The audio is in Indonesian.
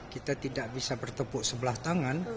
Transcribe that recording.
kita tidak bisa bertepuk sebelah tangan